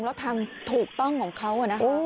แล้วทางถูกตั้งของเขาค่ะ